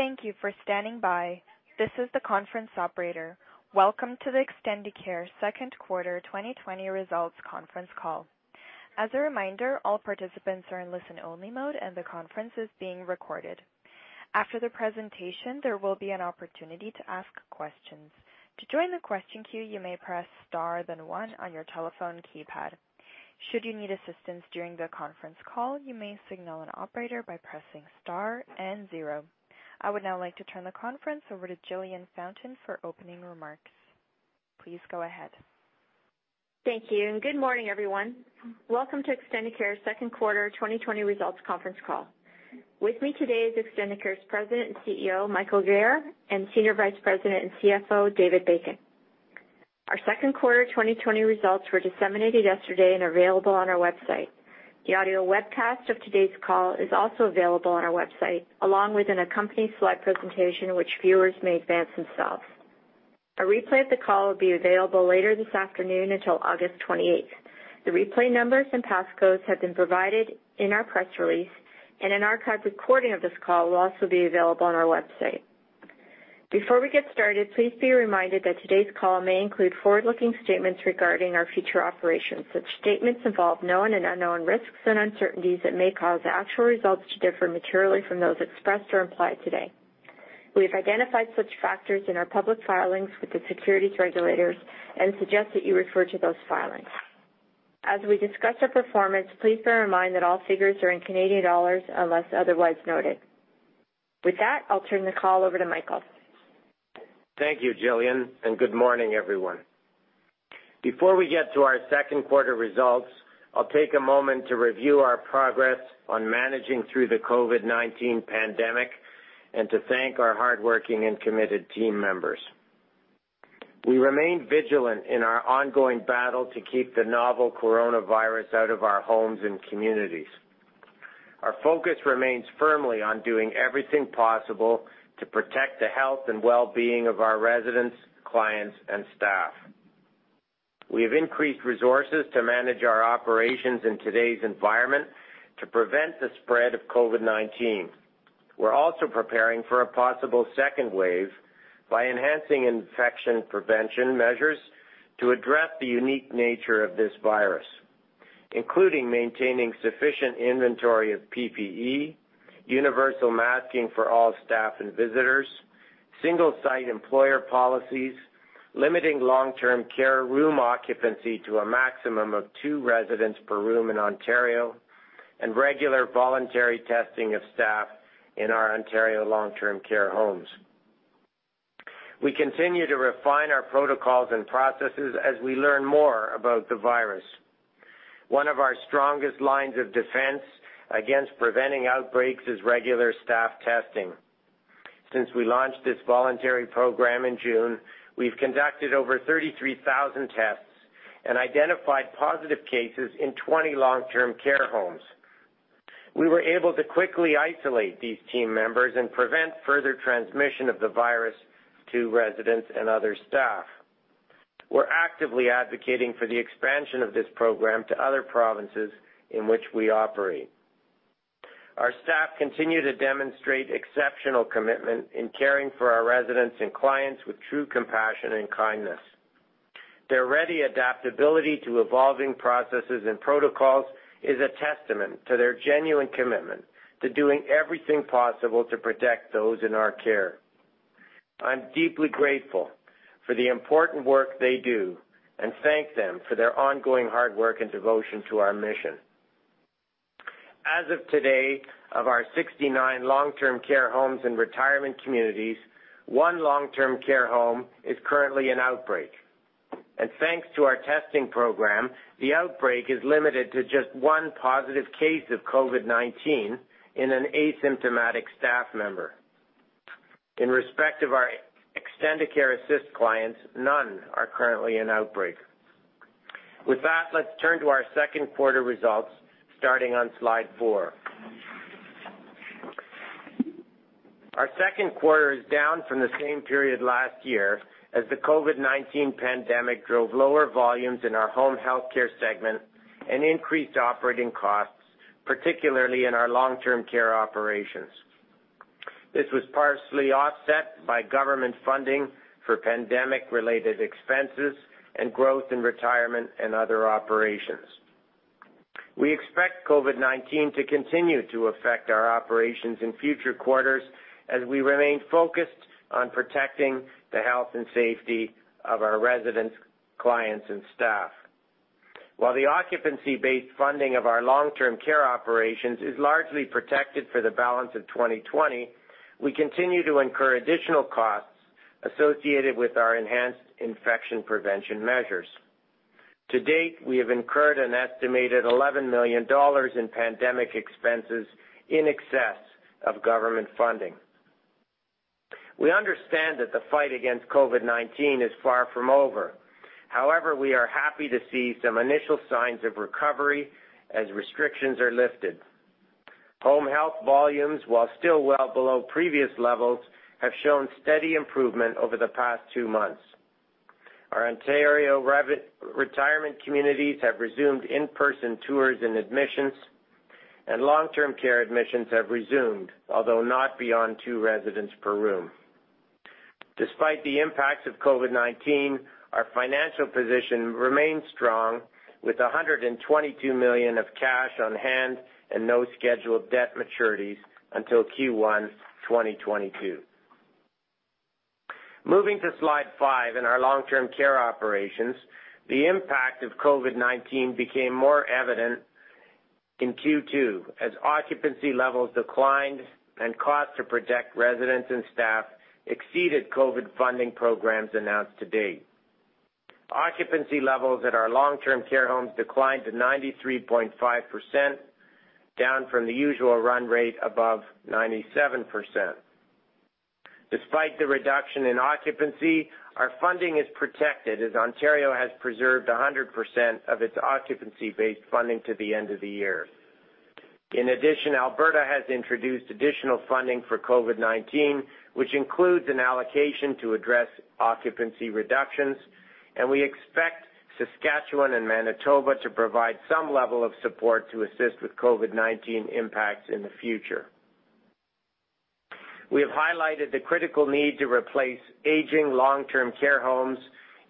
Thank you for standing by. This is the conference operator. Welcome to the Extendicare Second Quarter 2020 Results Conference Call. As a reminder, all participants are in listen-only mode, and the conference is being recorded. After the presentation, there will be an opportunity to ask questions. I would now like to turn the conference over to Jillian Fountain for opening remarks. Please go ahead. Thank you, and good morning, everyone. Welcome to Extendicare Second Quarter 2020 Results Conference Call. With me today is Extendicare's President and CEO, Michael Guerriere, and Senior Vice President and CFO, David Bacon. Our second quarter 2020 results were disseminated yesterday and available on our website. The audio webcast of today's call is also available on our website, along with an accompanying slide presentation which viewers may advance themselves. A replay of the call will be available later this afternoon until August 28th. The replay numbers and passcodes have been provided in our press release, and an archived recording of this call will also be available on our website. Before we get started, please be reminded that today's call may include forward-looking statements regarding our future operations. Such statements involve known and unknown risks and uncertainties that may cause actual results to differ materially from those expressed or implied today. We have identified such factors in our public filings with the securities regulators and suggest that you refer to those filings. As we discuss our performance, please bear in mind that all figures are in Canadian dollars unless otherwise noted. With that, I'll turn the call over to Michael. Thank you, Jillian, and good morning, everyone. Before we get to our second quarter results, I'll take a moment to review our progress on managing through the COVID-19 pandemic and to thank our hardworking and committed team members. We remain vigilant in our ongoing battle to keep the novel coronavirus out of our homes and communities. Our focus remains firmly on doing everything possible to protect the health and well-being of our residents, clients, and staff. We have increased resources to manage our operations in today's environment to prevent the spread of COVID-19. We're also preparing for a possible second wave by enhancing infection prevention measures to address the unique nature of this virus, including maintaining sufficient inventory of PPE, universal masking for all staff and visitors, single-site employer policies, limiting long-term care room occupancy to a maximum of two residents per room in Ontario, and regular voluntary testing of staff in our Ontario long-term care homes. We continue to refine our protocols and processes as we learn more about the virus. One of our strongest lines of defense against preventing outbreaks is regular staff testing. Since we launched this voluntary program in June, we've conducted over 33,000 tests and identified positive cases in 20 long-term care homes. We were able to quickly isolate these team members and prevent further transmission of the virus to residents and other staff. We're actively advocating for the expansion of this program to other provinces in which we operate. Our staff continue to demonstrate exceptional commitment in caring for our residents and clients with true compassion and kindness. Their ready adaptability to evolving processes and protocols is a testament to their genuine commitment to doing everything possible to protect those in our care. I'm deeply grateful for the important work they do and thank them for their ongoing hard work and devotion to our mission. As of today, of our 69 long-term care homes and retirement communities, one long-term care home is currently in outbreak. Thanks to our testing program, the outbreak is limited to just one positive case of COVID-19 in an asymptomatic staff member. In respect of our Extendicare Assist clients, none are currently in outbreak. With that, let's turn to our second quarter results starting on slide four. Our second quarter is down from the same period last year as the COVID-19 pandemic drove lower volumes in our Home Health Care segment and increased operating costs, particularly in our Long-Term Care operations. This was partially offset by government funding for pandemic-related expenses and growth in retirement and other operations. We expect COVID-19 to continue to affect our operations in future quarters as we remain focused on protecting the health and safety of our residents, clients, and staff. While the occupancy-based funding of our Long-Term Care operations is largely protected for the balance of 2020, we continue to incur additional costs associated with our enhanced infection prevention measures. To date, we have incurred an estimated 11 million dollars in pandemic expenses in excess of government funding. We understand that the fight against COVID-19 is far from over. However, we are happy to see some initial signs of recovery as restrictions are lifted. Home Health volumes, while still well below previous levels, have shown steady improvement over the past two months. Our Ontario retirement communities have resumed in-person tours and admissions, and Long-Term Care admissions have resumed, although not beyond two residents per room. Despite the impacts of COVID-19, our financial position remains strong, with 122 million of cash on hand and no scheduled debt maturities until Q1 2022. Moving to slide five in our Long-Term Care operations, the impact of COVID-19 became more evident in Q2 as occupancy levels declined and cost to protect residents and staff exceeded COVID funding programs announced to date. Occupancy levels at our long-term care homes declined to 93.5%, down from the usual run rate above 97%. Despite the reduction in occupancy, our funding is protected as Ontario has preserved 100% of its occupancy-based funding to the end of the year. In addition, Alberta has introduced additional funding for COVID-19, which includes an allocation to address occupancy reductions, and we expect Saskatchewan and Manitoba to provide some level of support to assist with COVID-19 impacts in the future. We have highlighted the critical need to replace aging long-term care homes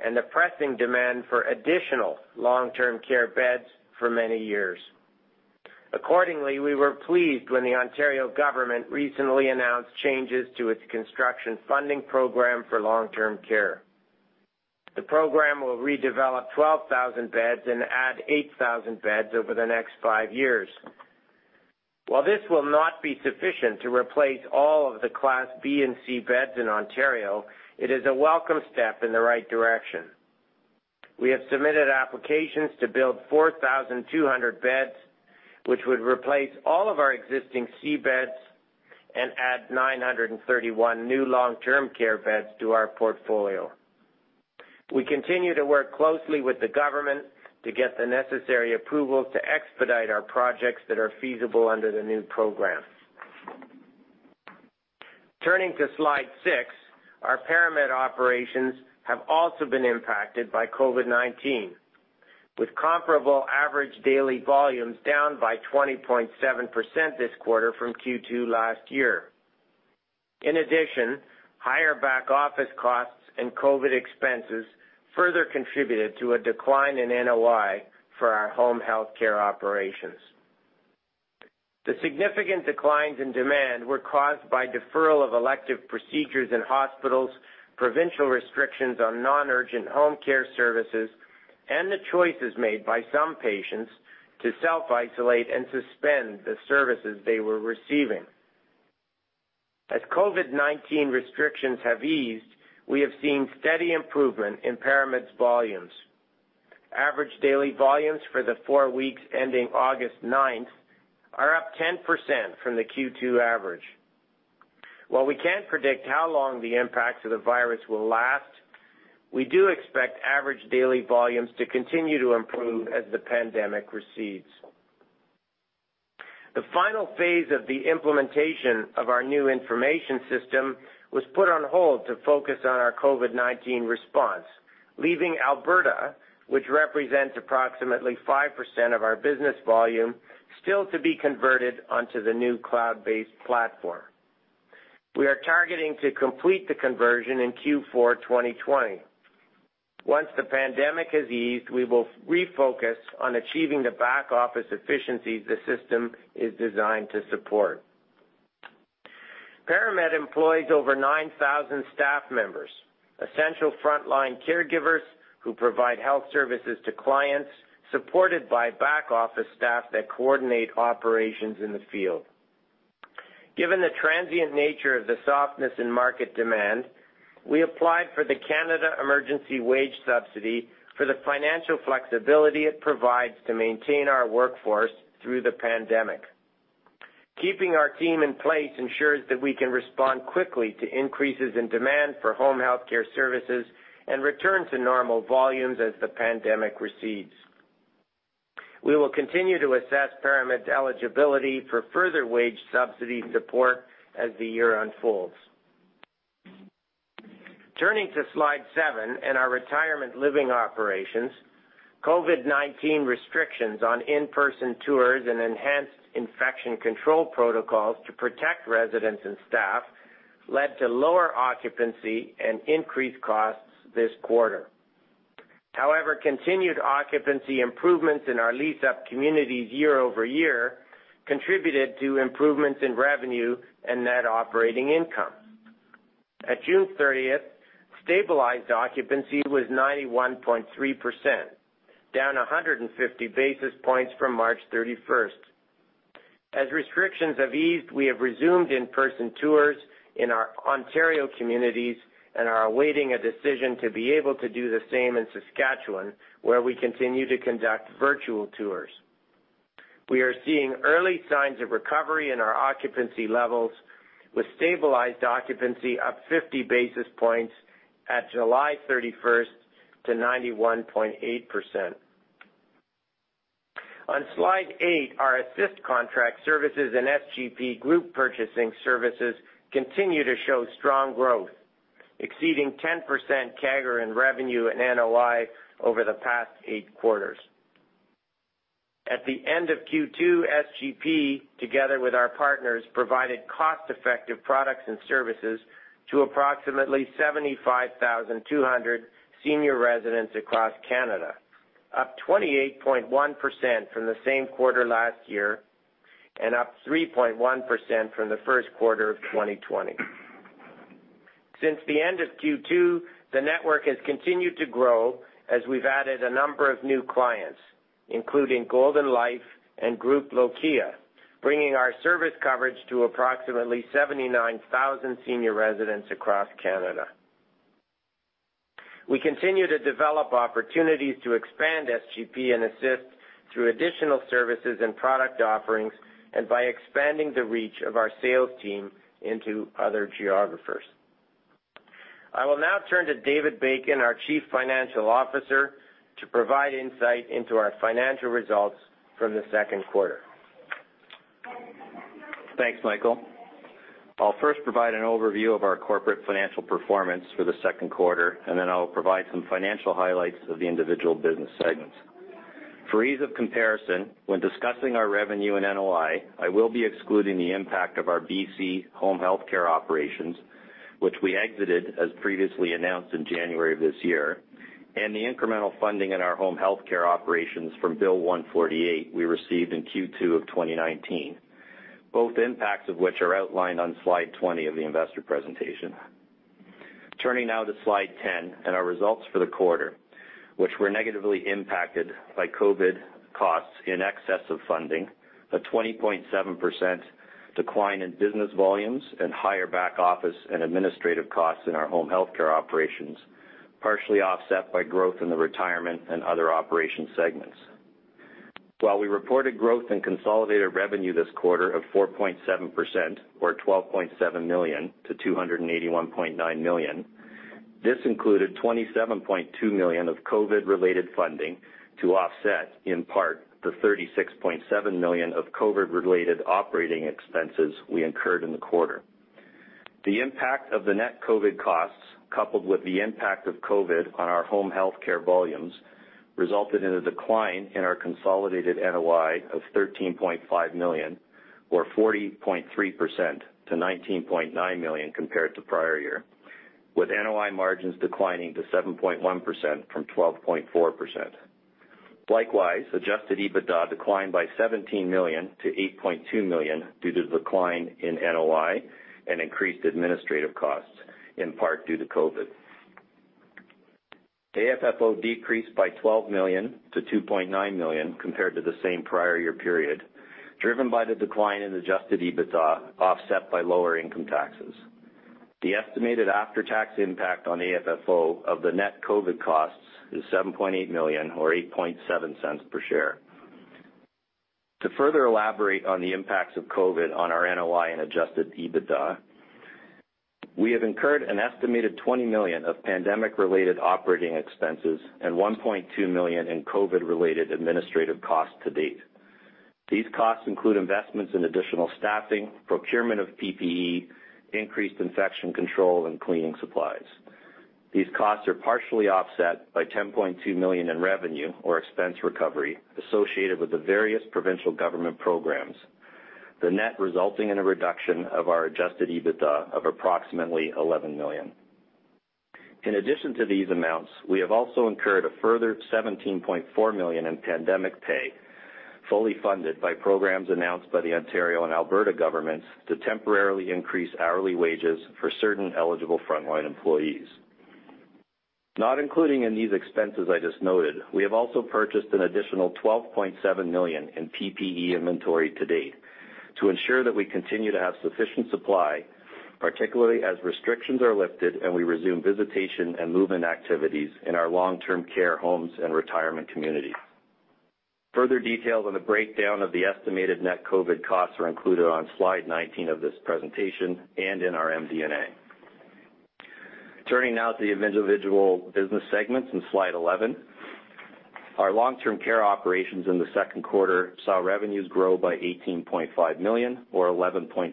and the pressing demand for additional long-term care beds for many years. Accordingly, we were pleased when the Ontario government recently announced changes to its construction funding program for long-term care. The program will redevelop 12,000 beds and add 8,000 beds over the next five years. While this will not be sufficient to replace all of the Class B and C beds in Ontario, it is a welcome step in the right direction. We have submitted applications to build 4,200 beds, which would replace all of our existing C beds and add 931 new long-term care beds to our portfolio. We continue to work closely with the government to get the necessary approvals to expedite our projects that are feasible under the new program. Turning to slide six, our ParaMed operations have also been impacted by COVID-19, with comparable average daily volumes down by 20.7% this quarter from Q2 last year. In addition, higher back-office costs and COVID expenses further contributed to a decline in NOI for our Home Health Care operations. The significant declines in demand were caused by deferral of elective procedures in hospitals, provincial restrictions on non-urgent home health care services, and the choices made by some patients to self-isolate and suspend the services they were receiving. As COVID-19 restrictions have eased, we have seen steady improvement in ParaMed's volumes. Average daily volumes for the four weeks ending August 9th are up 10% from the Q2 average. While we can't predict how long the impacts of the virus will last, we do expect average daily volumes to continue to improve as the pandemic recedes. The final phase of the implementation of our new information system was put on hold to focus on our COVID-19 response, leaving Alberta, which represents approximately 5% of our business volume, still to be converted onto the new cloud-based platform. We are targeting to complete the conversion in Q4 2020. Once the pandemic has eased, we will refocus on achieving the back-office efficiencies the system is designed to support. ParaMed employs over 9,000 staff members, essential frontline caregivers who provide health services to clients, supported by back-office staff that coordinate operations in the field. Given the transient nature of the softness in market demand, we applied for the Canada Emergency Wage Subsidy for the financial flexibility it provides to maintain our workforce through the pandemic. Keeping our team in place ensures that we can respond quickly to increases in demand for home health care services and return to normal volumes as the pandemic recedes. We will continue to assess ParaMed's eligibility for further wage subsidy support as the year unfolds. Turning to slide seven and our retirement living operations, COVID-19 restrictions on in-person tours and enhanced infection control protocols to protect residents and staff led to lower occupancy and increased costs this quarter. However, continued occupancy improvements in our leased-up communities year-over-year contributed to improvements in revenue and net operating income. At June 30th, stabilized occupancy was 91.3%, down 150 basis points from March 31st. As restrictions have eased, we have resumed in-person tours in our Ontario communities and are awaiting a decision to be able to do the same in Saskatchewan, where we continue to conduct virtual tours. We are seeing early signs of recovery in our occupancy levels, with stabilized occupancy up 50 basis points at July 31st to 91.8%. On Slide eight, our Assist Contract services and SGP group purchasing services continue to show strong growth, exceeding 10% CAGR in revenue and NOI over the past eight quarters. At the end of Q2, SGP, together with our partners, provided cost-effective products and services to approximately 75,200 senior residents across Canada, up 28.1% from the same quarter last year and up 3.1% from the first quarter of 2020. Since the end of Q2, the network has continued to grow as we've added a number of new clients, including Golden Life and Groupe Lokia, bringing our service coverage to approximately 79,000 senior residents across Canada. We continue to develop opportunities to expand SGP and Assist through additional services and product offerings, and by expanding the reach of our sales team into other geographies. I will now turn to David Bacon, our Chief Financial Officer, to provide insight into our financial results for the second quarter. Thanks, Michael. I'll first provide an overview of our corporate financial performance for the second quarter, and then I'll provide some financial highlights of the individual business segments. For ease of comparison, when discussing our revenue and NOI, I will be excluding the impact of our BC Home Health Care operations, which we exited as previously announced in January of this year, and the incremental funding in our Home Health Care operations from Bill 148 we received in Q2 of 2019, both impacts of which are outlined on Slide 20 of the investor presentation. Turning now to Slide 10 and our results for the quarter, which were negatively impacted by COVID costs in excess of funding, a 20.7% decline in business volumes, and higher back office and administrative costs in our Home Health Care operations, partially offset by growth in the retirement and other operation segments. While we reported growth in consolidated revenue this quarter of 4.7%, or 12.7 million to 281.9 million, this included 27.2 million of COVID related funding to offset, in part, the 36.7 million of COVID related operating expenses we incurred in the quarter. The impact of the net COVID costs, coupled with the impact of COVID on our Home Health Care volumes, resulted in a decline in our consolidated NOI of 13.5 million, or 40.3% to 19.9 million compared to prior year, with NOI margins declining to 7.1% from 12.4%. Likewise, adjusted EBITDA declined by 17 million to 8.2 million due to the decline in NOI and increased administrative costs, in part, due to COVID. AFFO decreased by 12 million to 2.9 million compared to the same prior year period, driven by the decline in adjusted EBITDA, offset by lower income taxes. The estimated after-tax impact on AFFO of the net COVID-19 costs is 7.8 million or 0.087 per share. To further elaborate on the impacts of COVID-19 on our NOI and adjusted EBITDA, we have incurred an estimated 20 million of pandemic related operating expenses and 1.2 million in COVID-19 related administrative costs to date. These costs include investments in additional staffing, procurement of PPE, increased infection control, and cleaning supplies. These costs are partially offset by 10.2 million in revenue or expense recovery associated with the various provincial government programs, the net resulting in a reduction of our adjusted EBITDA of approximately 11 million. In addition to these amounts, we have also incurred a further 17.4 million in pandemic pay, fully funded by programs announced by the Ontario and Alberta governments to temporarily increase hourly wages for certain eligible frontline employees. Not including in these expenses I just noted, we have also purchased an additional 12.7 million in PPE inventory to date to ensure that we continue to have sufficient supply, particularly as restrictions are lifted and we resume visitation and movement activities in our long-term care homes and retirement communities. Further details on the breakdown of the estimated net COVID costs are included on Slide 19 of this presentation and in our MD&A. Turning now to the individual business segments in Slide 11. Our Long-Term Care operations in the second quarter saw revenues grow by 18.5 million or 11.6%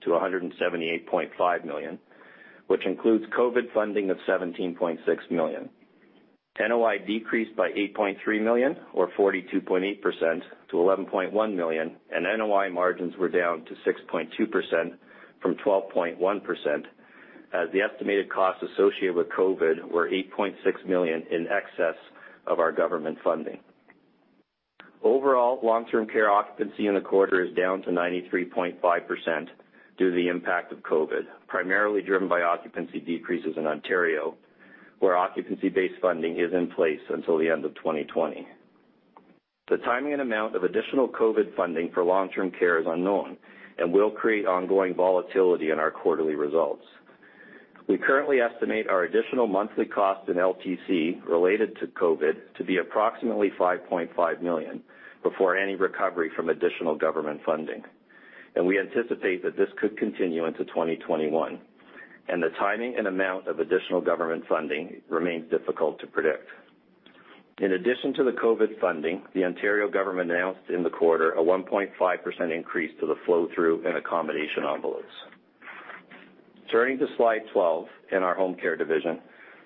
to 178.5 million, which includes COVID funding of 17.6 million. NOI decreased by 8.3 million or 42.8% to 11.1 million, and NOI margins were down to 6.2% from 12.1%, as the estimated costs associated with COVID were 8.6 million in excess of our government funding. Overall, long-term care occupancy in the quarter is down to 93.5% due to the impact of COVID, primarily driven by occupancy decreases in Ontario, where occupancy-based funding is in place until the end of 2020. The timing and amount of additional COVID funding for long-term care is unknown and will create ongoing volatility in our quarterly results. We currently estimate our additional monthly cost in LTC related to COVID to be approximately 5.5 million before any recovery from additional government funding. We anticipate that this could continue into 2021, and the timing and amount of additional government funding remains difficult to predict. In addition to the COVID funding, the Ontario government announced in the quarter a 1.5% increase to the flow-through and accommodation envelopes. Turning to slide 12 in our Home Care Division.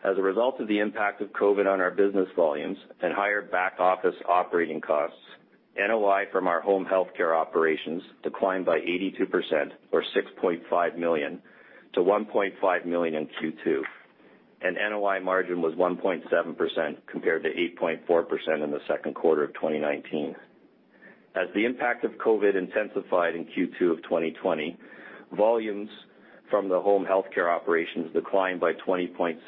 As a result of the impact of COVID-19 on our business volumes and higher back-office operating costs, NOI from our Home Health Care operations declined by 82%, or 6.5 million, to 1.5 million in Q2, and NOI margin was 1.7% compared to 8.4% in the second quarter of 2019. As the impact of COVID-19 intensified in Q2 of 2020, volumes from the Home Health Care operations declined by 20.7%,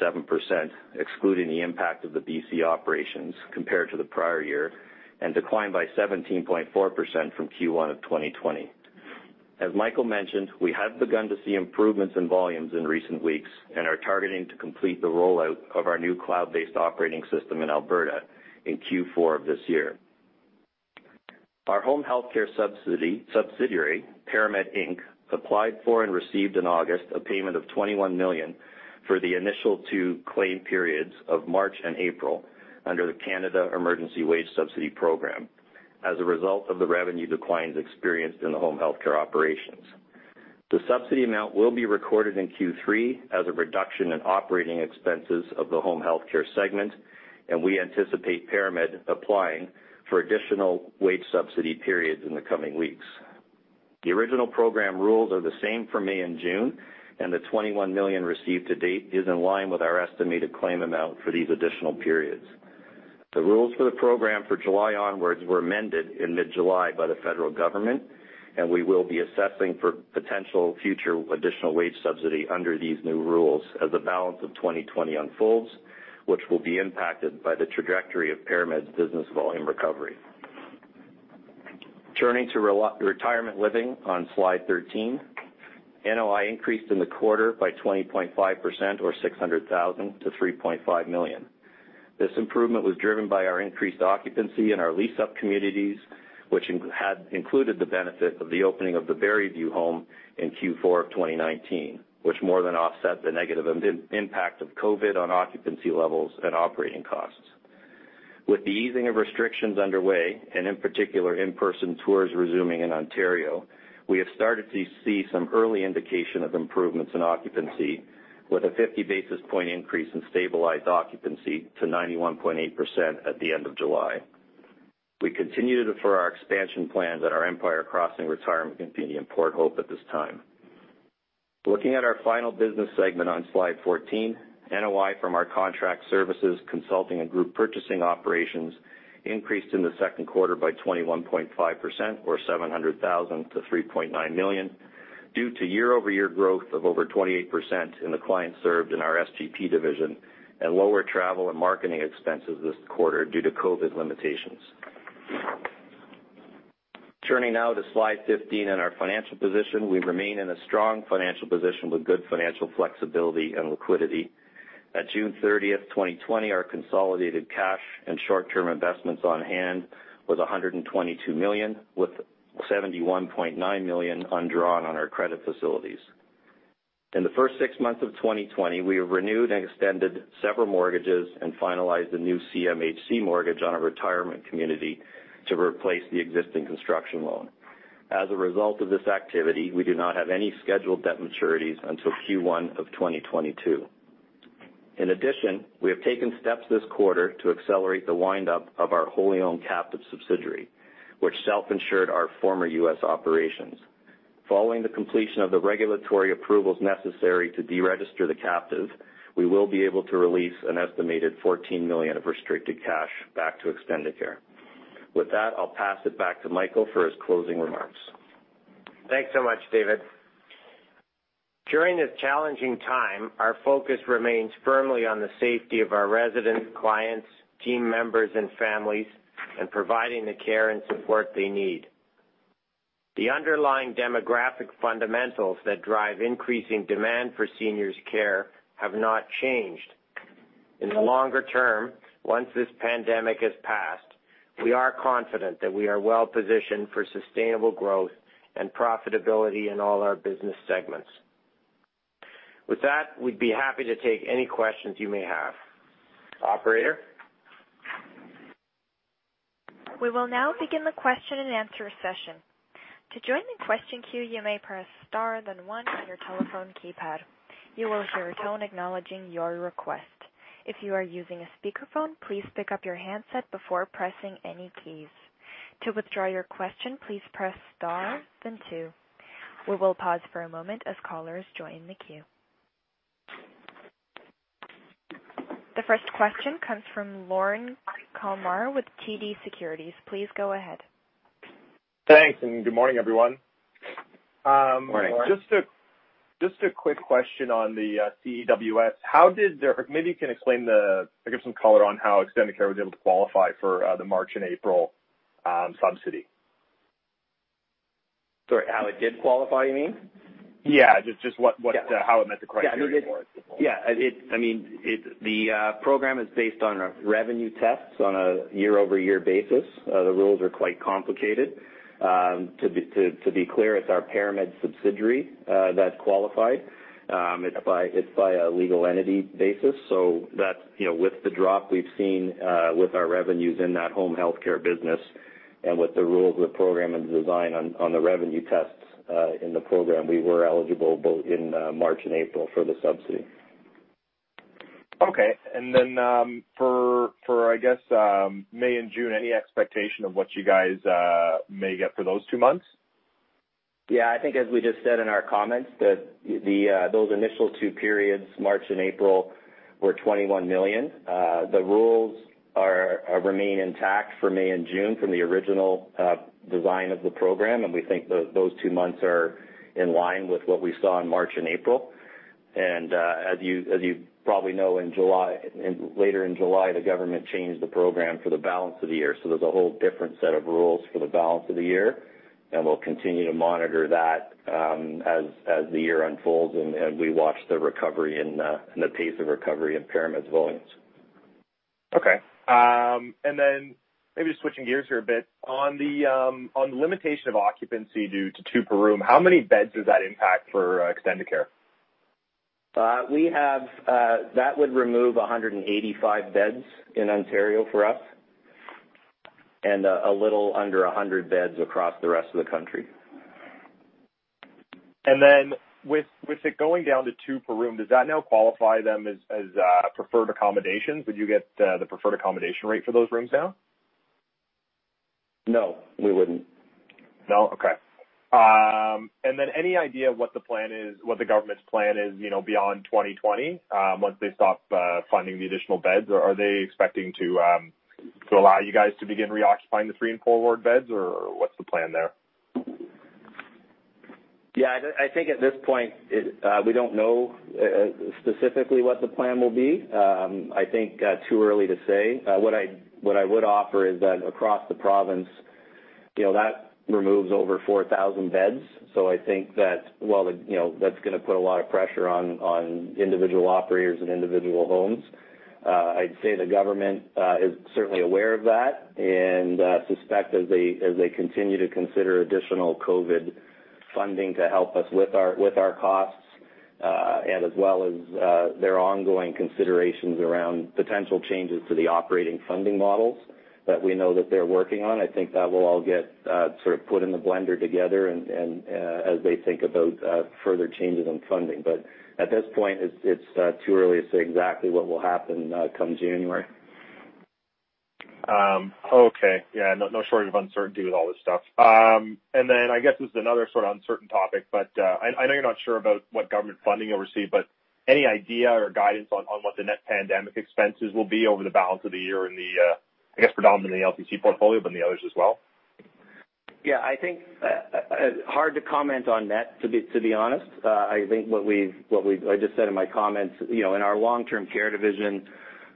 excluding the impact of the BC operations compared to the prior year, and declined by 17.4% from Q1 of 2020. As Michael mentioned, we have begun to see improvements in volumes in recent weeks and are targeting to complete the rollout of our new cloud-based operating system in Alberta in Q4 of this year. Our Home Health Care subsidiary, ParaMed Inc, applied for and received in August a payment of 21 million for the initial two claim periods of March and April under the Canada Emergency Wage Subsidy program as a result of the revenue declines experienced in the Home Health Care operations. The subsidy amount will be recorded in Q3 as a reduction in operating expenses of the Home Health Care segment, and we anticipate ParaMed applying for additional wage subsidy periods in the coming weeks. The original program rules are the same for May and June, and the 21 million received to date is in line with our estimated claim amount for these additional periods. The rules for the program for July onwards were amended in mid-July by the federal government, and we will be assessing for potential future additional wage subsidy under these new rules as the balance of 2020 unfolds, which will be impacted by the trajectory of ParaMed's business volume recovery. Turning to retirement living on slide 13. NOI increased in the quarter by 20.5%, or 600,000-3.5 million. This improvement was driven by our increased occupancy in our leased-up communities, which had included the benefit of the opening of the Barrieview home in Q4 of 2019, which more than offset the negative impact of COVID on occupancy levels and operating costs. With the easing of restrictions underway, in particular, in-person tours resuming in Ontario, we have started to see some early indication of improvements in occupancy with a 50 basis point increase in stabilized occupancy to 91.8% at the end of July. We continue to defer our expansion plans at our Empire Crossing Retirement Community in Port Hope at this time. Looking at our final business segment on slide 14, NOI from our contract services, consulting and group purchasing operations increased in the second quarter by 21.5%, or 700,000 to 3.9 million due to year-over-year growth of over 28% in the clients served in our SGP division and lower travel and marketing expenses this quarter due to COVID limitations. Turning now to slide 15 and our financial position. We remain in a strong financial position with good financial flexibility and liquidity. At June 30th, 2020, our consolidated cash and short-term investments on hand was 122 million, with 71.9 million undrawn on our credit facilities. In the first six months of 2020, we have renewed and extended several mortgages and finalized a new CMHC mortgage on a retirement community to replace the existing construction loan. As a result of this activity, we do not have any scheduled debt maturities until Q1 of 2022. In addition, we have taken steps this quarter to accelerate the wind-up of our wholly-owned captive subsidiary, which self-insured our former U.S. operations. Following the completion of the regulatory approvals necessary to deregister the captive, we will be able to release an estimated 14 million of restricted cash back to Extendicare. With that, I'll pass it back to Michael for his closing remarks. Thanks so much, David. During this challenging time, our focus remains firmly on the safety of our residents, clients, team members, and families, and providing the care and support they need. The underlying demographic fundamentals that drive increasing demand for seniors care have not changed. In the longer term, once this pandemic has passed, we are confident that we are well-positioned for sustainable growth and profitability in all our business segments. With that, we'd be happy to take any questions you may have. Operator? We will now begin the question-and-answer session. To join the question queue, you may press star, then one on your telephone keypad. You will hear a tone acknowledging your request. If you are using a speakerphone, please pick up your handset before pressing any keys. To withdraw your question, please press star, then two. We will pause for a moment as callers join the queue. The first question comes from Lorne Kalmar with TD Securities. Please go ahead. Thanks, good morning, everyone. Morning. Just a quick question on the CEWS. Maybe you can explain, I guess, some color on how Extendicare was able to qualify for the March and April subsidy? Sorry, how it did qualify, you mean? Yeah. Just how it met the criteria for it. Yeah. The program is based on revenue tests on a year-over-year basis. The rules are quite complicated. To be clear, it's our ParaMed subsidiary that qualified. It's by a legal entity basis. With the drop we've seen with our revenues in that Home Health Care business and with the rules of the program and the design on the revenue tests in the program, we were eligible both in March and April for the subsidy. Okay. For, I guess, May and June, any expectation of what you guys may get for those two months? Yeah. I think as we just said in our comments, that those initial two periods, March and April, were 21 million. The rules remain intact for May and June from the original design of the program, and we think those two months are in line with what we saw in March and April. As you probably know, later in July, the government changed the program for the balance of the year. There's a whole different set of rules for the balance of the year, and we'll continue to monitor that as the year unfolds and as we watch the recovery and the pace of recovery in ParaMed's volumes. Okay. Maybe switching gears here a bit. On the limitation of occupancy due to two per room, how many beds does that impact for Extendicare? That would remove 185 beds in Ontario for us and a little under 100 beds across the rest of the country. With it going down to two per room, does that now qualify them as preferred accommodations? Would you get the preferred accommodation rate for those rooms now? No, we wouldn't. No? Okay. Then any idea of what the government's plan is beyond 2020 once they stop funding the additional beds? Are they expecting to allow you guys to begin reoccupying the three and four ward beds, or what's the plan there? I think at this point, we don't know specifically what the plan will be. I think too early to say. What I would offer is that across the province, that removes over 4,000 beds. I think that's going to put a lot of pressure on individual operators and individual homes. I'd say the government is certainly aware of that and I suspect as they continue to consider additional COVID funding to help us with our costs, and as well as their ongoing considerations around potential changes to the operating funding models that we know that they're working on, I think that will all get sort of put in the blender together as they think about further changes in funding. At this point, it's too early to say exactly what will happen come January. Okay. Yeah. No shortage of uncertainty with all this stuff. Then I guess this is another sort of uncertain topic, but I know you're not sure about what government funding you'll receive, but any idea or guidance on what the net pandemic expenses will be over the balance of the year in the, I guess, predominantly LTC portfolio, but in the others as well? Yeah, I think hard to comment on net, to be honest. I think what I just said in my comments, in our Long-Term Care division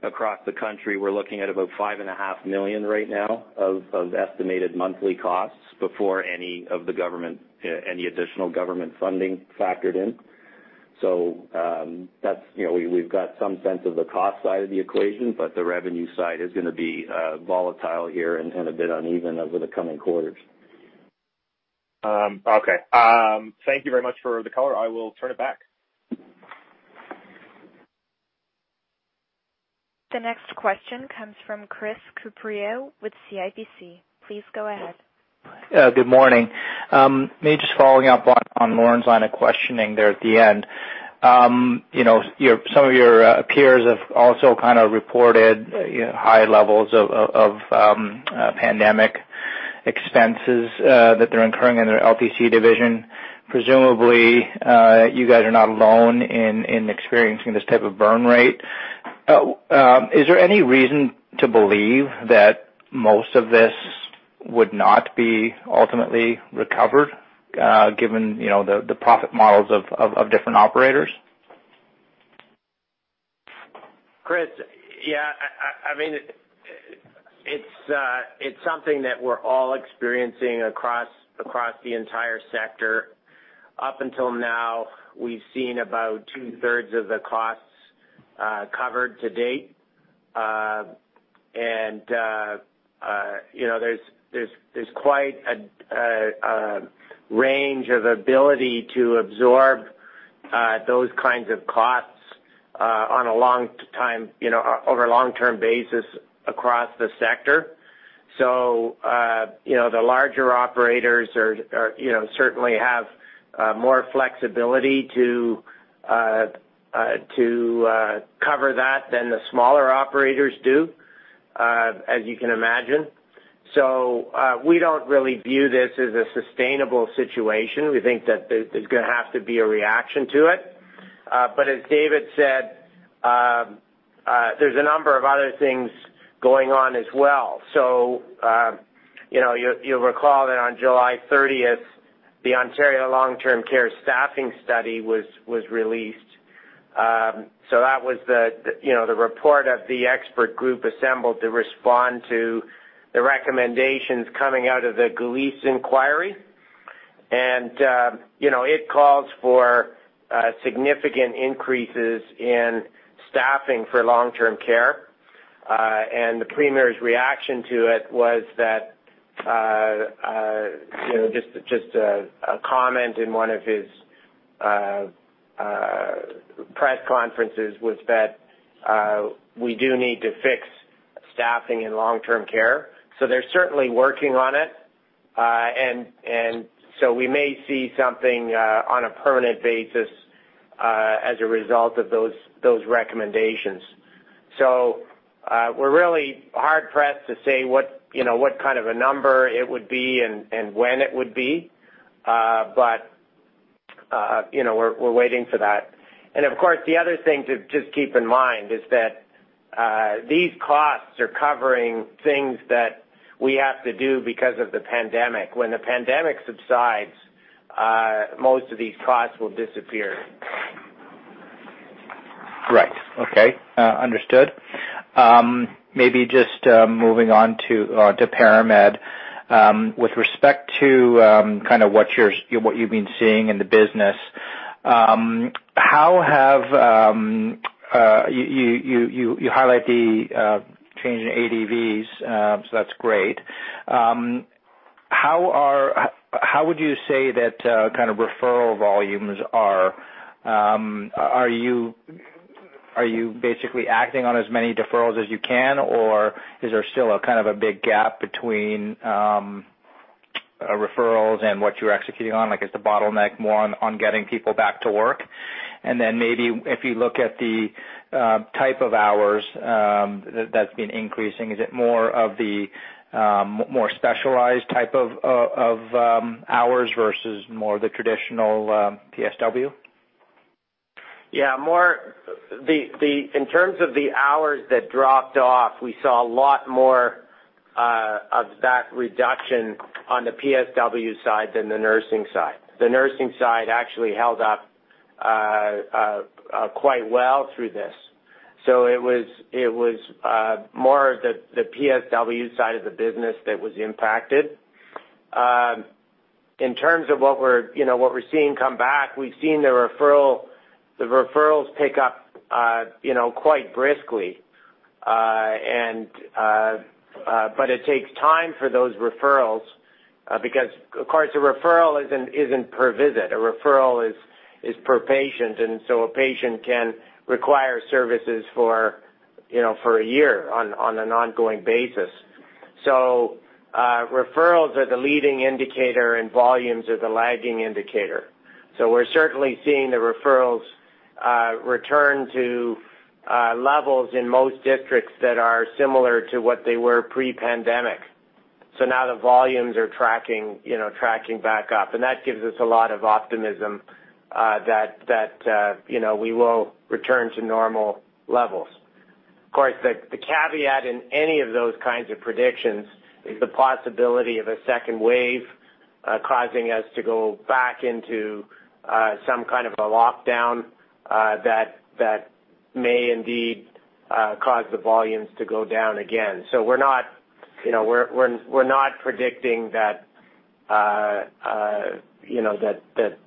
across the country, we're looking at about 5.5 million right now of estimated monthly costs before any additional government funding factored in. We've got some sense of the cost side of the equation, but the revenue side is going to be volatile here and a bit uneven over the coming quarters. Okay. Thank you very much for the color. I will turn it back. The next question comes from Chris Couprie with CIBC. Please go ahead. Good morning. Just following up on Lorne's line of questioning there at the end. Some of your peers have also kind of reported high levels of pandemic expenses that they're incurring in their LTC division. Presumably, you guys are not alone in experiencing this type of burn rate. Is there any reason to believe that most of this would not be ultimately recovered given the profit models of different operators? Chris, yeah. It's something that we're all experiencing across the entire sector. Up until now, we've seen about 2/3 of the costs covered to date. There's quite a range of ability to absorb those kinds of costs over a long-term basis across the sector. The larger operators certainly have more flexibility to cover that than the smaller operators do, as you can imagine. We don't really view this as a sustainable situation. We think that there's going to have to be a reaction to it. As David said, there's a number of other things going on as well. You'll recall that on July 30th, the Ontario Long-Term Care staffing study was released That was the report of the expert group assembled to respond to the recommendations coming out of the Gillese Inquiry. It calls for significant increases in staffing for long-term care. The premier's reaction to it was that, just a comment in one of his press conferences was that we do need to fix staffing in long-term care. They're certainly working on it. We may see something on a permanent basis as a result of those recommendations. We're really hard-pressed to say what kind of a number it would be and when it would be. We're waiting for that. Of course, the other thing to just keep in mind is that these costs are covering things that we have to do because of the pandemic. When the pandemic subsides, most of these costs will disappear. Right. Okay. Understood. Maybe just moving on to ParaMed. With respect to what you've been seeing in the business, you highlight the change in ADV. That's great. How would you say that kind of referral volumes are? Are you basically acting on as many deferrals as you can, or is there still a kind of a big gap between referrals and what you're executing on? Like, is the bottleneck more on getting people back to work? Then maybe if you look at the type of hours that's been increasing, is it more of the more specialized type of hours versus more of the traditional PSW? Yeah. In terms of the hours that dropped off, we saw a lot more of that reduction on the PSW side than the nursing side. The nursing side actually held up quite well through this. It was more the PSW side of the business that was impacted. In terms of what we're seeing come back, we've seen the referrals pick up quite briskly. It takes time for those referrals because, of course, a referral isn't per visit. A referral is per patient, and so a patient can require services for a year on an ongoing basis. Referrals are the leading indicator, and volumes are the lagging indicator. We're certainly seeing the referrals return to levels in most districts that are similar to what they were pre-pandemic. Now the volumes are tracking back up, and that gives us a lot of optimism that we will return to normal levels. Of course, the caveat in any of those kinds of predictions is the possibility of a second wave causing us to go back into some kind of a lockdown that may indeed cause the volumes to go down again. We're not predicting that that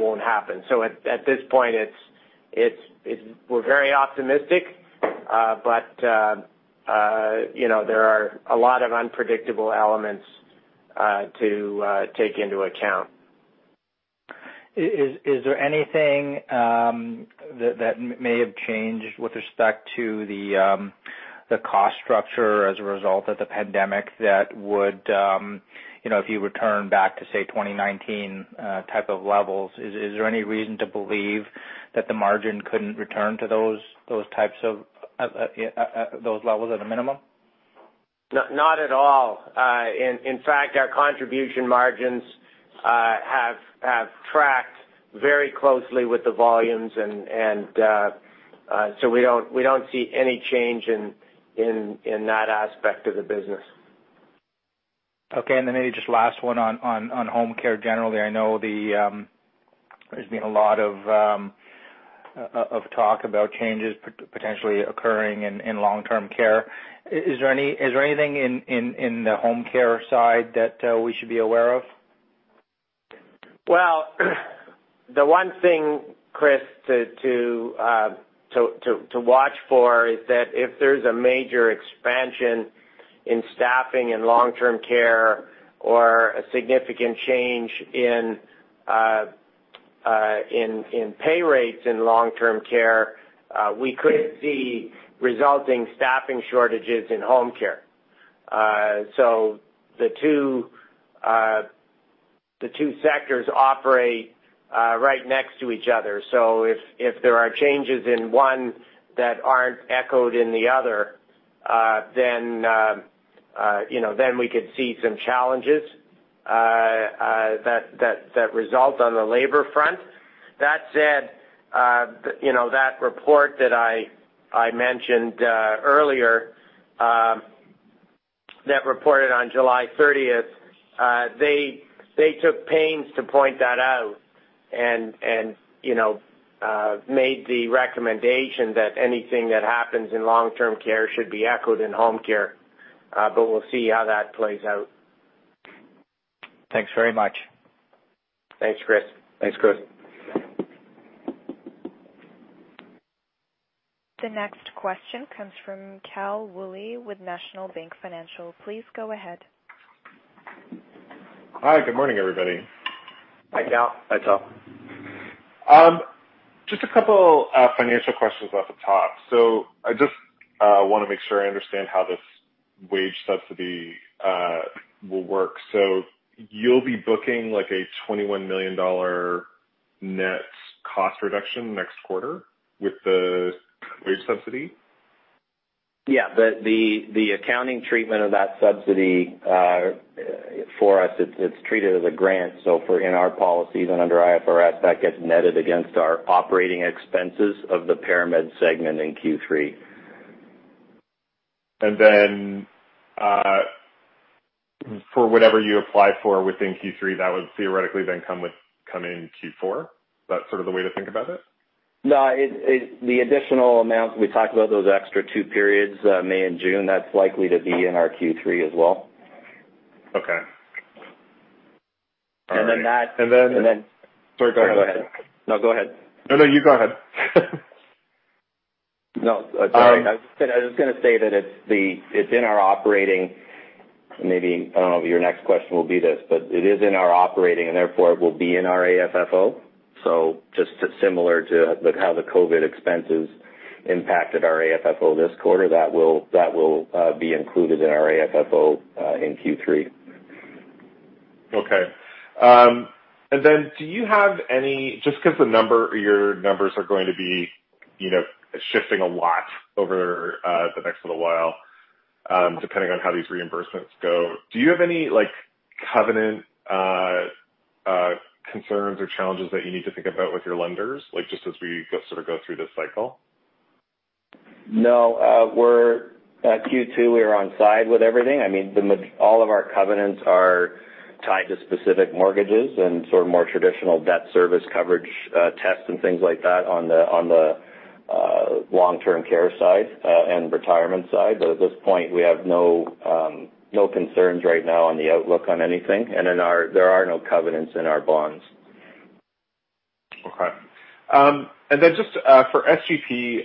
won't happen. At this point, we're very optimistic, but there are a lot of unpredictable elements to take into account. Is there anything that may have changed with respect to the cost structure as a result of the pandemic that would, if you return back to, say, 2019 type of levels, is there any reason to believe that the margin couldn't return to those levels at a minimum? Not at all. In fact, our contribution margins have tracked very closely with the volumes, and so we don't see any change in that aspect of the business. Okay. Maybe just last one on home care generally. I know there's been a lot of talk about changes potentially occurring in long-term care. Is there anything in the home care side that we should be aware of? The one thing, Chris, to watch for is that if there's a major expansion in staffing in long-term care or a significant change in pay rates in long-term care, we could see resulting staffing shortages in home care. The two sectors operate right next to each other. If there are changes in one that aren't echoed in the other, then we could see some challenges that result on the labor front. That said, that report that I mentioned earlier, that reported on July 30th, they took pains to point that out and made the recommendation that anything that happens in long-term care should be echoed in home care. We'll see how that plays out. Thanks very much. Thanks, Chris. Thanks, Chris. The next question comes from Tal Woolley with National Bank Financial. Please go ahead. Hi. Good morning, everybody. Hi, Tal. Hi, Tal. Just a couple financial questions off the top. I just want to make sure I understand how this wage subsidy will work. You'll be booking like a 21 million dollar net cost reduction next quarter with the wage subsidy? Yeah. The accounting treatment of that subsidy, for us, it's treated as a grant. In our policies and under IFRS, that gets netted against our operating expenses of the ParaMed segment in Q3. For whatever you apply for within Q3, that would theoretically then come in Q4. Is that sort of the way to think about it? No. The additional amount, we talked about those extra two periods, May and June, that's likely to be in our Q3 as well. Okay. All right. And then that- And then- Sorry, go ahead. No, go ahead. No, go ahead. No, no. You go ahead. No. Sorry. I was just going to say that it's in our operating, maybe, I don't know if your next question will be this. It is in our operating and therefore it will be in our AFFO. Just similar to how the COVID expenses impacted our AFFO this quarter, that will be included in our AFFO in Q3. Okay. Do you have any, just because your numbers are going to be shifting a lot over the next little while, depending on how these reimbursements go, do you have any covenant concerns or challenges that you need to think about with your lenders, just as we sort of go through this cycle? No. Q2, we were on side with everything. I mean, all of our covenants are tied to specific mortgages and sort of more traditional debt service coverage, tests and things like that on the long-term care side and retirement side. At this point, we have no concerns right now on the outlook on anything. There are no covenants in our bonds. Okay. Just for SGP,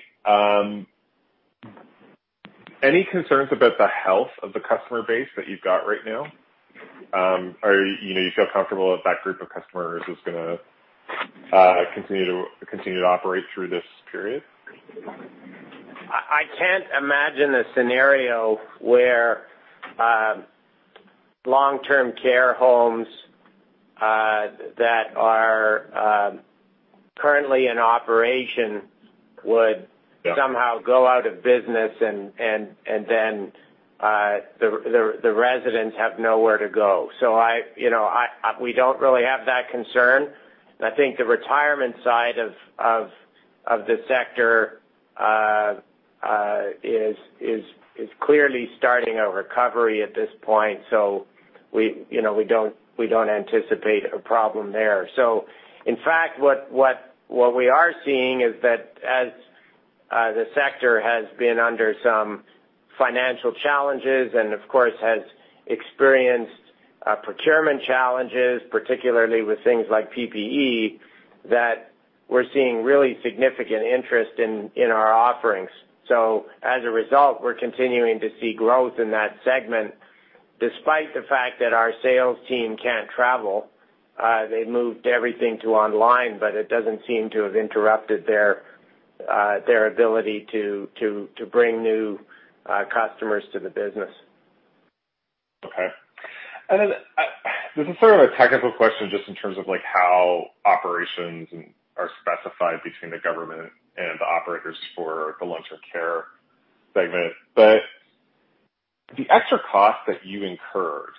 any concerns about the health of the customer base that you've got right now? Or you feel comfortable that that group of customers is going to continue to operate through this period? I can't imagine a scenario where long-term care homes that are currently in operation. Yeah -would somehow go out of business and then the residents have nowhere to go. We don't really have that concern. I think the retirement side of the sector is clearly starting a recovery at this point. We don't anticipate a problem there. In fact, what we are seeing is that as the sector has been under some financial challenges and of course has experienced procurement challenges, particularly with things like PPE, that we're seeing really significant interest in our offerings. As a result, we're continuing to see growth in that segment despite the fact that our sales team can't travel. They've moved everything to online, but it doesn't seem to have interrupted their ability to bring new customers to the business. Okay. This is sort of a technical question just in terms of how operations are specified between the government and the operators for the Long-Term Care segment. The extra cost that you incurred,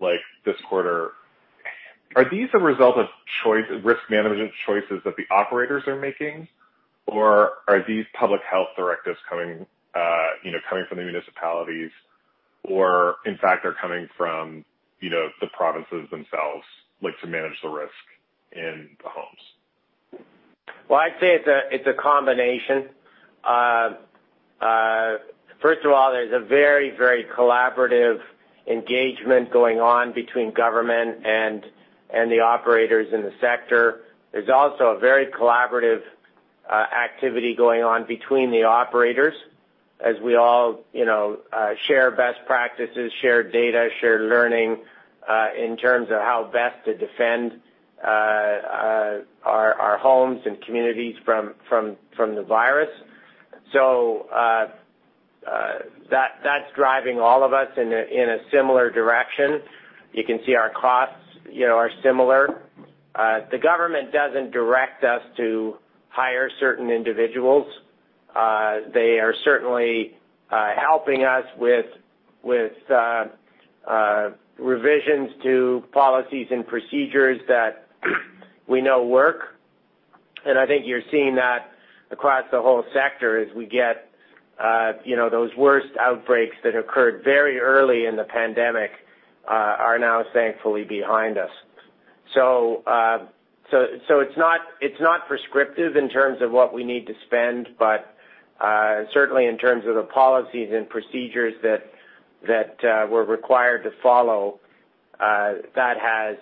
like this quarter, are these a result of risk management choices that the operators are making? Are these public health directives coming from the municipalities? In fact, are coming from the provinces themselves, like to manage the risk in the homes? Well, I'd say it's a combination. First of all, there's a very collaborative engagement going on between government and the operators in the sector. There's also a very collaborative activity going on between the operators as we all share best practices, share data, share learning, in terms of how best to defend our homes and communities from the virus. That's driving all of us in a similar direction. You can see our costs are similar. The government doesn't direct us to hire certain individuals. They are certainly helping us with revisions to policies and procedures that we know work. I think you're seeing that across the whole sector as we get those worst outbreaks that occurred very early in the pandemic are now thankfully behind us. It's not prescriptive in terms of what we need to spend, but certainly in terms of the policies and procedures that we're required to follow, that has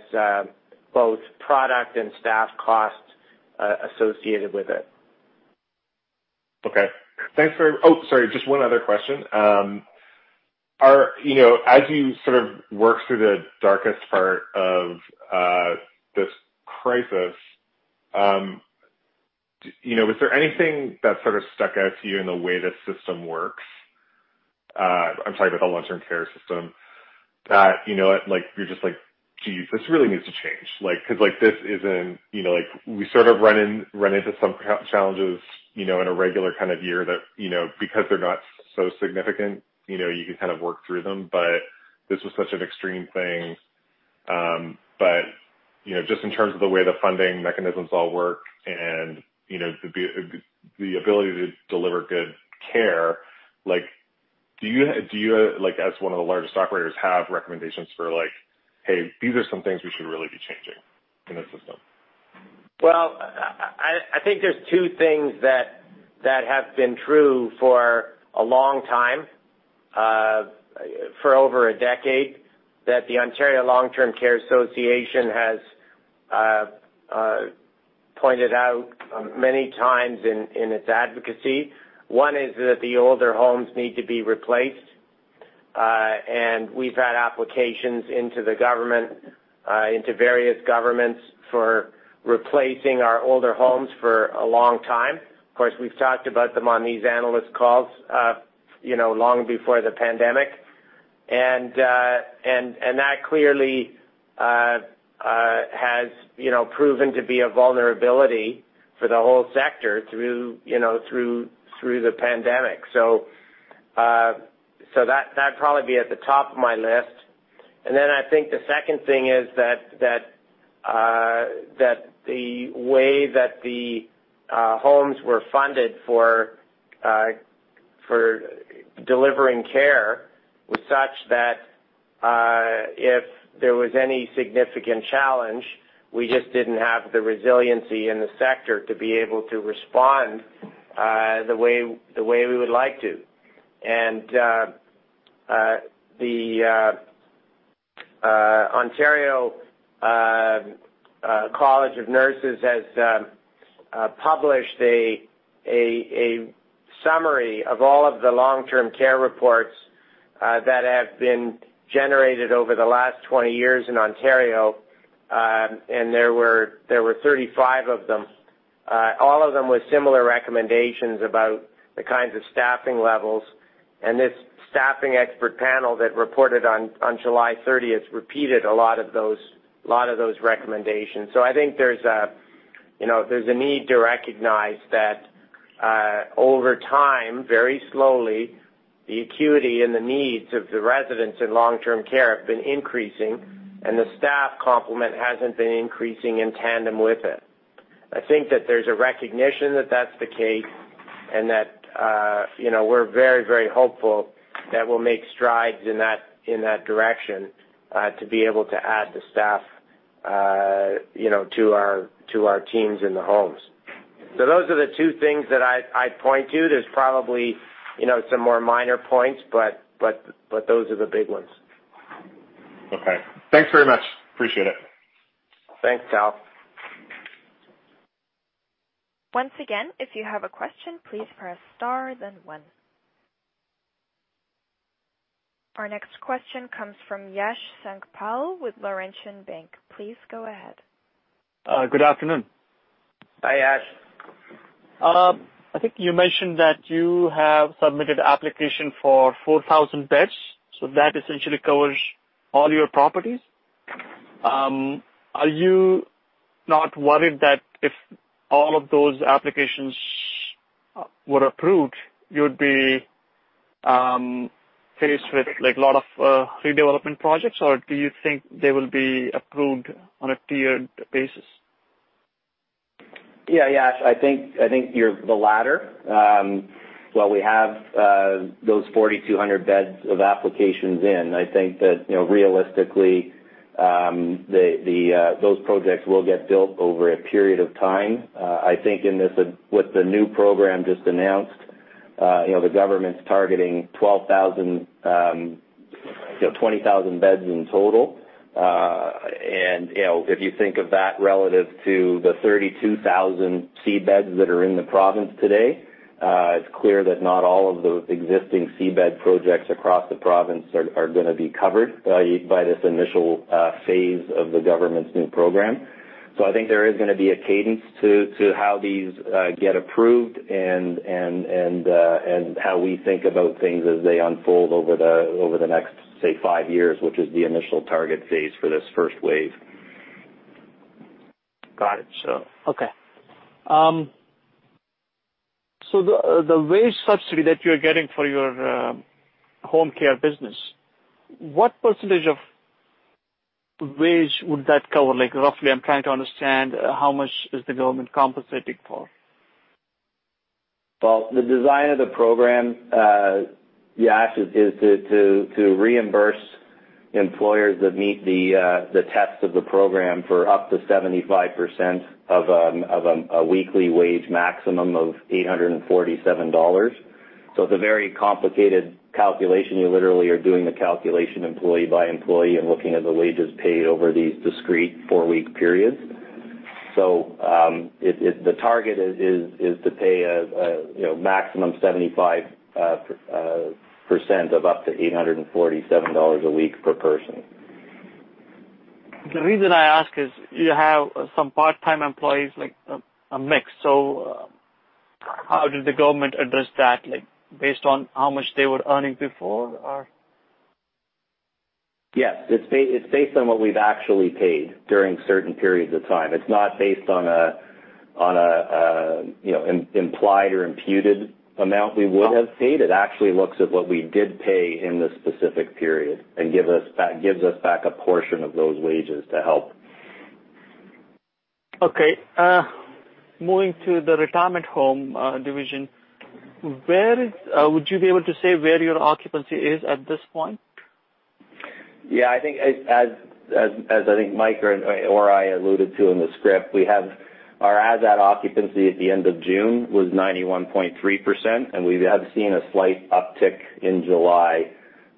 both product and staff costs associated with it. Sorry, just one other question. As you sort of work through the darkest part of this crisis, was there anything that sort of stuck out to you in the way the system works? I'm talking about the long-term care system, that you're just like, "Geez, this really needs to change." We sort of run into some challenges in a regular kind of year that, because they're not so significant, you can kind of work through them, but this was such an extreme thing. Just in terms of the way the funding mechanisms all work and the ability to deliver good care, do you, as one of the largest operators, have recommendations for, "Hey, these are some things we should really be changing in the system? I think there's two things that have been true for a long time, for over a decade, that the Ontario Long Term Care Association has pointed out many times in its advocacy. One is that the older homes need to be replaced, and we've had applications into various governments for replacing our older homes for a long time. Of course, we've talked about them on these analyst calls long before the pandemic. That clearly has proven to be a vulnerability for the whole sector through the pandemic. That'd probably be at the top of my list. I think the second thing is that the way that the homes were funded for delivering care was such that if there was any significant challenge, we just didn't have the resiliency in the sector to be able to respond the way we would like to. The College of Nurses of Ontario has published a summary of all of the long-term care reports that have been generated over the last 20 years in Ontario, and there were 35 of them. All of them with similar recommendations about the kinds of staffing levels, and this staffing expert panel that reported on July 30th repeated a lot of those recommendations. I think there's a need to recognize that over time, very slowly, the acuity and the needs of the residents in long-term care have been increasing, and the staff complement hasn't been increasing in tandem with it. I think that there's a recognition that that's the case and that we're very hopeful that we'll make strides in that direction to be able to add the staff to our teams in the homes. Those are the two things that I'd point to. There's probably some more minor points, but those are the big ones. Okay. Thanks very much. Appreciate it. Thanks, Tal. Once again, if you have a question, please press star then one. Our next question comes from Yash Sankpal with Laurentian Bank. Please go ahead. Good afternoon. Hi, Yash. I think you mentioned that you have submitted application for 4,000 beds, so that essentially covers all your properties. Are you not worried that if all of those applications were approved, you would be faced with a lot of redevelopment projects, or do you think they will be approved on a tiered basis? Yeah, Yash, I think the latter. While we have those 4,200 beds of applications in, I think that realistically, those projects will get built over a period of time. I think with the new program just announced, the government's targeting 12,000, 20,000 beds in total. If you think of that relative to the 32,000 C beds that are in the province today, it's clear that not all of those existing C bed projects across the province are going to be covered by this initial phase of the government's new program. I think there is going to be a cadence to how these get approved and how we think about things as they unfold over the next, say, five years, which is the initial target phase for this first wave. Got it. Okay. The wage subsidy that you're getting for your home care business, what % of wage would that cover, roughly? I'm trying to understand how much is the government compensating for. Well, the design of the program, Yash, is to reimburse employers that meet the tests of the program for up to 75% of a weekly wage maximum of 847 dollars. It's a very complicated calculation. You literally are doing the calculation employee by employee and looking at the wages paid over these discrete four-week periods. The target is to pay a maximum 75% of up to 847 dollars a week per person. The reason I ask is you have some part-time employees, like a mix. How did the government address that? Based on how much they were earning before, or? Yes. It's based on what we've actually paid during certain periods of time. It's not based on an implied or imputed amount we would have paid. It actually looks at what we did pay in the specific period and gives us back a portion of those wages to help. Moving to the retirement home division, would you be able to say where your occupancy is at this point? Yeah. As I think Mike or I alluded to in the script, our as-at occupancy at the end of June was 91.3%, and we have seen a slight uptick in July,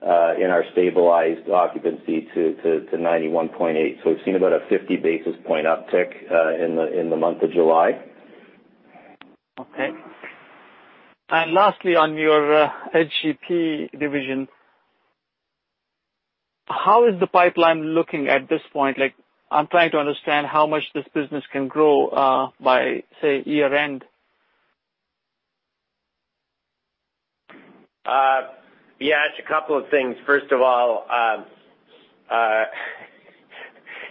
in our stabilized occupancy to 91.8%. We've seen about a 50-basis-point uptick, in the month of July. Okay. Lastly, on your SGP division, how is the pipeline looking at this point? I'm trying to understand how much this business can grow, by, say, year-end. Yeah, it's a couple of things. First of all,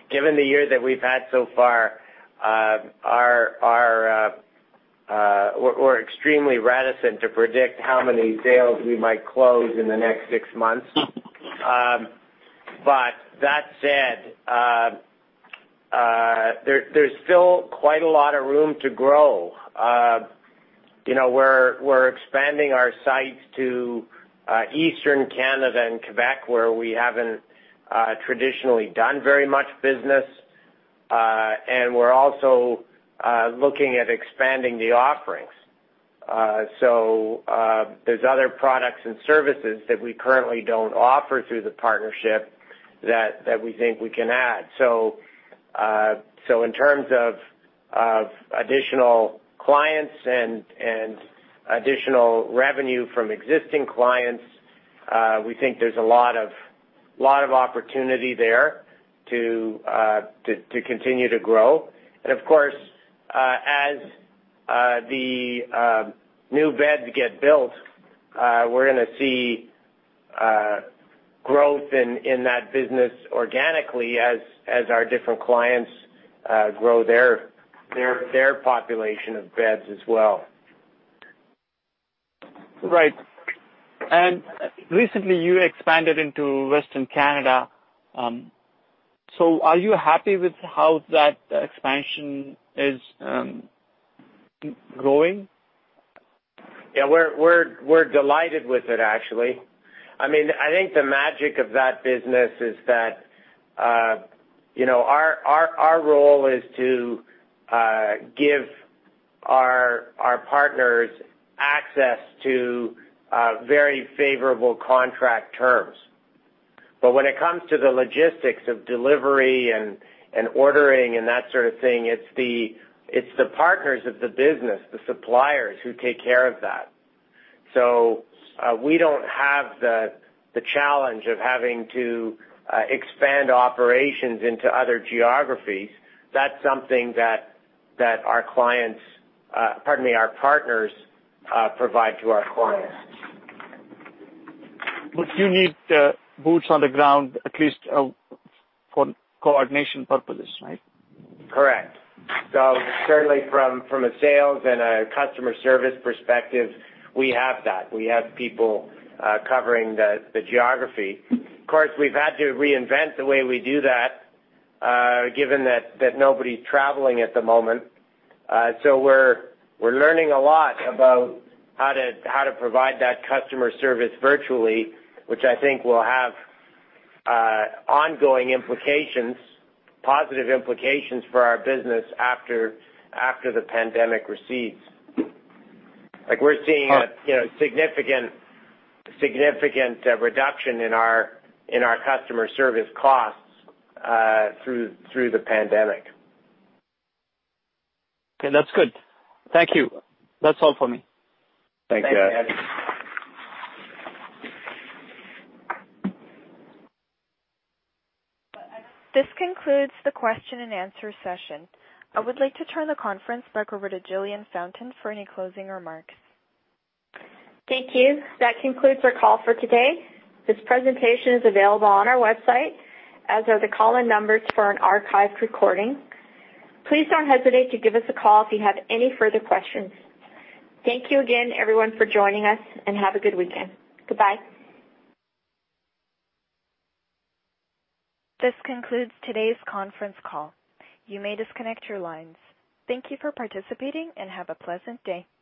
given the year that we've had so far, we're extremely reticent to predict how many sales we might close in the next six months. That said, there's still quite a lot of room to grow. We're expanding our sites to Eastern Canada and Quebec, where we haven't traditionally done very much business. We're also looking at expanding the offerings. There's other products and services that we currently don't offer through the partnership that we think we can add. In terms of additional clients and additional revenue from existing clients, we think there's a lot of opportunity there to continue to grow. Of course, as the new beds get built, we're gonna see growth in that business organically as our different clients grow their population of beds as well. Right. Recently, you expanded into Western Canada. Are you happy with how that expansion is going? Yeah, we're delighted with it, actually. I think the magic of that business is that our role is to give our partners access to very favorable contract terms. When it comes to the logistics of delivery and ordering and that sort of thing, it's the partners of the business, the suppliers, who take care of that. We don't have the challenge of having to expand operations into other geographies. That's something that our partners provide to our clients. You need boots on the ground at least for coordination purposes, right? Correct. Certainly from a sales and a customer service perspective, we have that. We have people covering the geography. Of course, we've had to reinvent the way we do that, given that nobody's traveling at the moment. We're learning a lot about how to provide that customer service virtually, which I think will have ongoing implications, positive implications for our business after the pandemic recedes. We're seeing a significant reduction in our customer service costs through the pandemic. Okay. That's good. Thank you. That's all for me. Thanks, Yash. This concludes the question-and-answer session. I would like to turn the conference back over to Jillian Fountain for any closing remarks. Thank you. That concludes our call for today. This presentation is available on our website, as are the call-in numbers for an archived recording. Please don't hesitate to give us a call if you have any further questions. Thank you again, everyone, for joining us, and have a good weekend. Goodbye. This concludes today's conference call. You may disconnect your lines. Thank you for participating, and have a pleasant day.